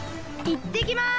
いってきます！